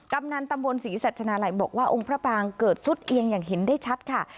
กำนันตำบลศรีสัชนาลัยบอกว่าองค์พระปรางเกิดสุดเอียงอย่างเห็นได้ชัดค่ะ